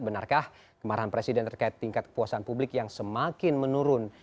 benarkah kemarahan presiden terkait tingkat kepuasan publik yang semakin menurun